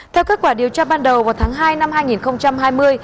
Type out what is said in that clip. theo kết quả điều tra ban đầu vào tháng hai năm hai nghìn hai mươi